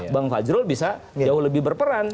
bang fajrul bisa jauh lebih berperan